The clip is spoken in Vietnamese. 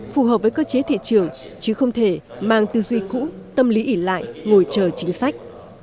phù hợp với cơ chế thị trường chứ không thể mang tư duy cũ tâm lý ỉ lại ngồi chờ chính sách